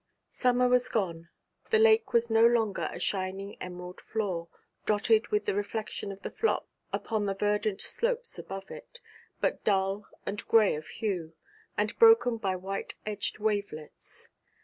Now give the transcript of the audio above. Summer was gone; the lake was no longer a shining emerald floor, dotted with the reflection of the flock upon the verdant slopes above it, but dull and grey of hue, and broken by white edged wavelets.